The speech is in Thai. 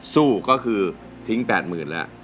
สู้ก็คือทิ้ง๘๐๐๐แล้ว